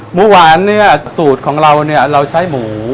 หมูหวานเนี่ยสูตรของเราเนี่ยเราใช้หมู